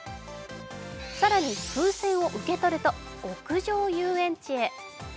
更に、風船を受け取ると屋上遊園地へ。